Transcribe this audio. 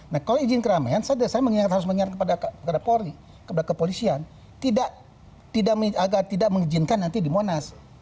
nah kalau izin keramaian saya harus mengingat kepada polri kepada kepolisian agar tidak mengizinkan nanti di monas